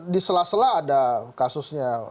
di sela sela ada kasusnya